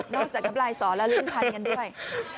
นอกจากกับลายสอนและเรื่องพันธุ์กันด้วย